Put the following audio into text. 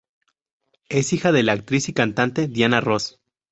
Es hija de la actriz y cantante Diana Ross.